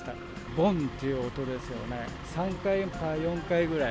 ぼんという音ですよね、３回か４回ぐらい。